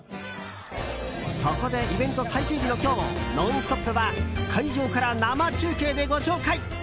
そこでイベント最終日の今日「ノンストップ！」は会場から生中継でご紹介！